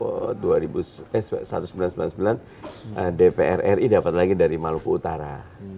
kalau seribu sembilan ratus sembilan puluh sembilan dpr ri dapat lagi dari maluku utara